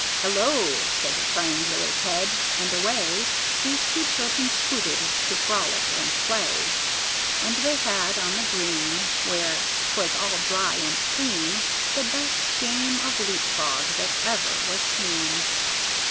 "Hello!" said Triangular Ted, and away Those two children scooted to frolic and play. And they had, on the green, Where 'twas all dry and clean, The best game of leap frog that ever was seen.